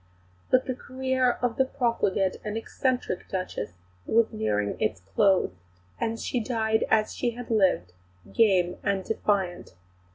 But the career of the profligate and eccentric Duchess was nearing its close, and she died as she had lived, game and defiant.